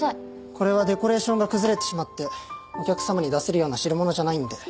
これはデコレーションが崩れてしまってお客様に出せるような代物じゃないんで。